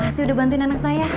pasti udah bantuin anak saya